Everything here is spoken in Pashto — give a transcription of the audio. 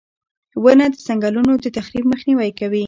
• ونه د ځنګلونو د تخریب مخنیوی کوي.